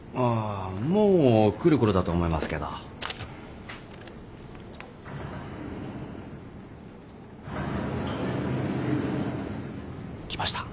もう来るころだと思いますけど。来ました。